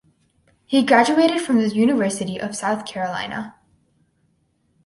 He graduated from the University of South Carolina.